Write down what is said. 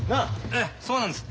ええそうなんです。